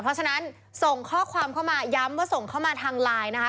เพราะฉะนั้นส่งข้อความเข้ามาย้ำว่าส่งเข้ามาทางไลน์นะคะ